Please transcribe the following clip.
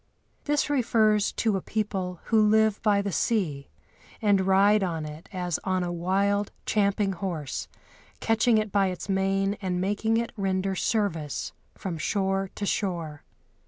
This refers to a people who live by the sea, and ride on it as on a wild, champing horse, catching it by its mane and making it render service from shore to shore.